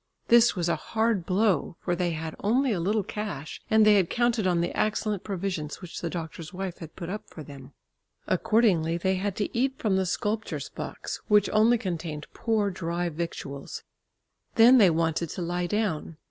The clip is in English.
This was a hard blow, for they had only a little cash and they had counted on the excellent provisions which the doctor's wife had put up for them. Accordingly they had to eat from the sculptor's box, which only contained poor dry victuals. Then they wanted to lie down.